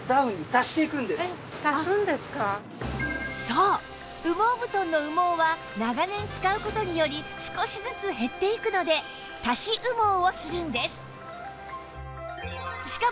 そう羽毛布団の羽毛は長年使う事により少しずつ減っていくので足し羽毛をするんです